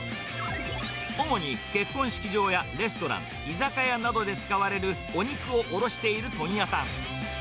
主に結婚式場やレストラン、居酒屋などで使われるお肉を卸している問屋さん。